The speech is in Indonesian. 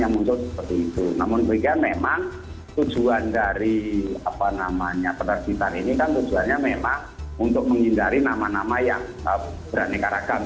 namun demikian memang tujuan dari apa namanya penerbitan ini kan tujuannya memang untuk menghindari nama nama yang beraneka ragam